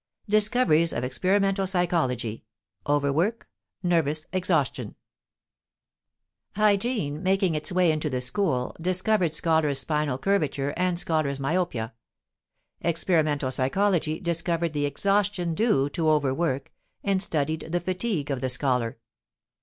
=Discoveries of experimental psychology: overwork; nervous exhaustion=. Hygiene, making its way into the school, discovered scholar's spinal curvature and scholar's myopia; experimental psychology discovered the exhaustion due to overwork, and studied the fatigue of the scholar.